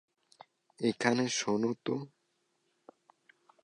এখানে শোন তো।